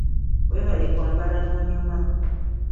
Weebale kwambala n'onyuma.